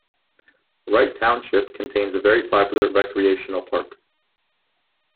Wright Township contains a very popular recreational park.